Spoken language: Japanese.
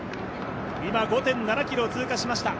今、５．７ｋｍを通過しました。